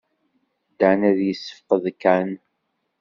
Dan ad yessefqed kan.